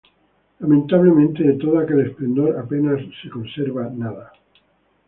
Lamentablemente, de todo aquel esplendor apenas nada se conserva.